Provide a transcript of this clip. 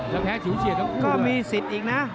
จะแพ้ถิวเฉียดกับครูอ่ะก็มีสิทธิ์อีกนะ